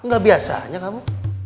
gak biasanya kamu